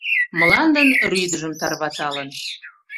Мландын рӱдыжым тарваталын.